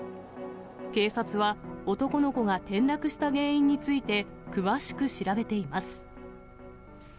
警察は、男の子が転落した原因について詳しく調べています。